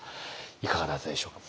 いかがだったでしょう？